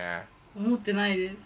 思ってないです。